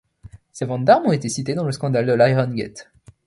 Ces ventes d'armes ont été citées dans le scandale de l'Irangate.